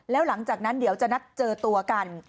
แล้วหลังจากนั้นเดี๋ยวจะนัดเจอตัวกัน